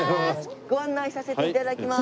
ご案内させて頂きます。